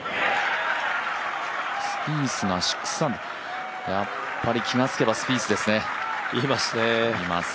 スピースが６アンダー、やっぱり気がつけばスピースですね、いますね。